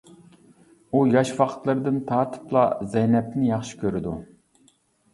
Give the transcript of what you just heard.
ئۇ ياش ۋاقىتلىرىدىن تارتىپلا زەينەپنى ياخشى كۆرىدۇ.